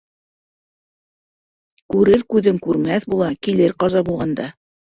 Күрер күҙең күрмәҫ була, килер ҡаза булғанда.